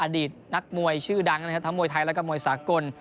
อดีตนักมวยชื่อดังนะครับทั้งมวยไทยแล้วก็มวยสากล